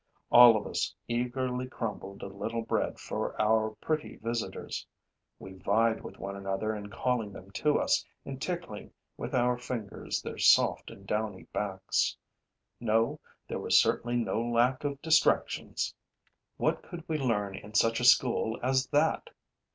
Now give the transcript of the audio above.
All of us eagerly crumbled a little bread for our pretty visitors. We vied with one another in calling them to us and tickling with our fingers their soft and downy backs. No, there was certainly no lack of distractions. What could we learn in such a school as that!